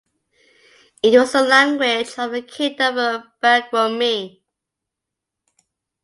It was the language of the Kingdom of Baguirmi.